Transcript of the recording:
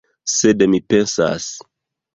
Sed mi pensas!